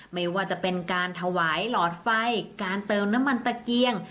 ไม่ว่าจะเป็นการถวายหลอดไฟการเติมน้ำมันตะเกียง